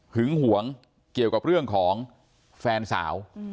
หวงเกี่ยวกับเรื่องของแฟนสาว